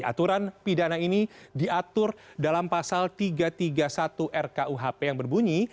aturan pidana ini diatur dalam pasal tiga ratus tiga puluh satu rkuhp yang berbunyi